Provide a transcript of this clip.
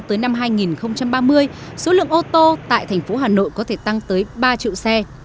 tới năm hai nghìn ba mươi số lượng ô tô tại thành phố hà nội có thể tăng tới ba triệu xe